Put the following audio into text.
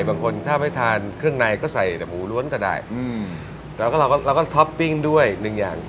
บางคนถ้าไม่ทานเครื่องในก็ใส่แต่หมูล้วนก็ได้อืมแล้วก็เราก็ท็อปปิ้งด้วยหนึ่งอย่าง